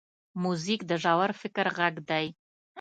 موزیک د ژور فکر غږ دی.